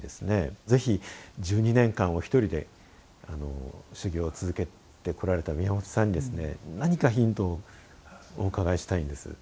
是非１２年間お一人で修行を続けてこられた宮本さんにですね何かヒントをお伺いしたいんです。